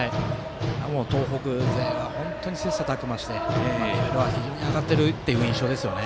東北勢は本当に切さたく磨してレベルは非常に上がっているという印象ですよね。